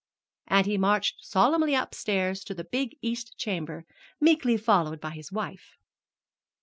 And he marched solemnly upstairs to the big east chamber, meekly followed by his wife.